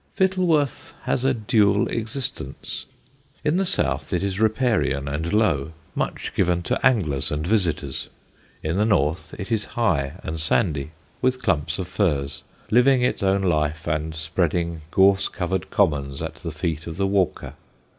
Fittleworth has a dual existence. In the south it is riparian and low, much given to anglers and visitors. In the north it is high and sandy, with clumps of firs, living its own life and spreading gorse covered commons at the feet of the walker.